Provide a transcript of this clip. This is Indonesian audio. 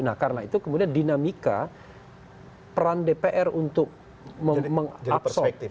nah karena itu kemudian dinamika peran dpr untuk mengabsorb